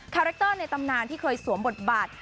แรคเตอร์ในตำนานที่เคยสวมบทบาท